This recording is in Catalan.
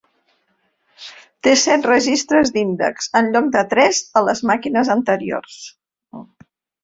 Té set registres d'índex, en lloc de tres a les màquines anteriors.